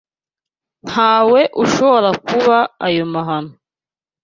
Ntawe ushobora kuba ayo mahano.